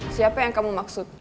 siapa yang kamu maksud